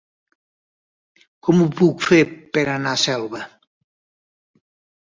Com ho puc fer per anar a Selva?